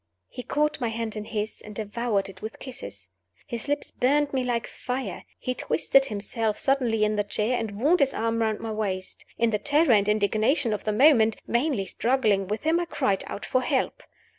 He caught my hand in his, and devoured it with kisses. His lips burned me like fire. He twisted himself suddenly in the chair, and wound his arm around my waist. In the terror and indignation of the moment, vainly struggling with him, I cried out for help.